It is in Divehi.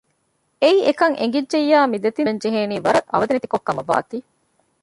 އެއީ އެކަން އެނގިއްޖެއްޔާ މި ދެތިން ދުވަހު އުޅެންޖެހޭނީ ވަރަށް އަވަދިނެތި ކޮށް ކަމަށް ވާތީ